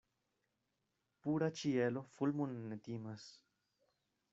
Pura ĉielo fulmon ne timas.